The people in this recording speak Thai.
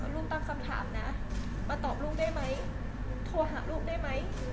รุ่นตั้งคำถามนะมาตอบลูกได้ไหมโทรหาลูกได้ไหม